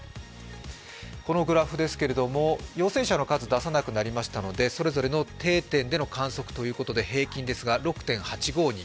このグラフですけれども陽性者の数を出さなくなりましたのでそれぞれの定点での観測ということで平均ですが６．８５人。